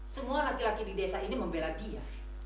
semua laki laki di desa ini membela dia